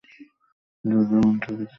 যাও, মন যা চায় তা কর।